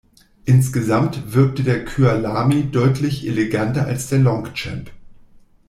Insgesamt wirkte der Kyalami deutlich eleganter als der Longchamp.